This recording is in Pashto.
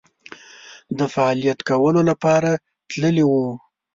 د فعالیت کولو لپاره تللي وو.